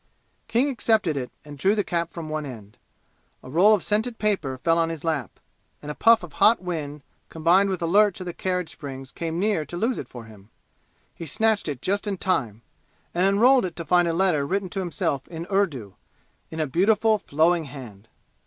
King accepted it and drew the cap from one end. A roll of scented paper fell on his lap, and a puff of hot wind combined with a lurch of the carriage springs came near to lose it for him; he snatched it just in time and unrolled it to find a letter written to himself in Urdu, in a beautiful flowing hand.